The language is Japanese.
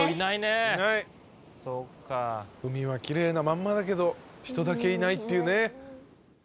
海はきれいなまんまだけど人だけいないっていうね。